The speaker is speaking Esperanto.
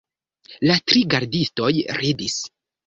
La tri gardistoj ridis.